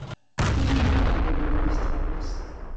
Una nova manera de distreure’s.